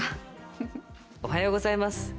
おはようございます。